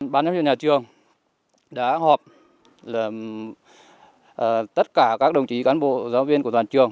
bán giáo viên nhà trường đã họp tất cả các đồng chí cán bộ giáo viên của đoàn trường